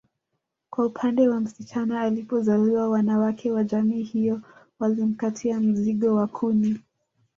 Kwa upande wa msichana alipozaliwa wanawake wa jamii hiyo walimkatia mzigo wa kuni